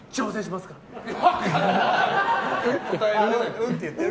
うんって言ってる？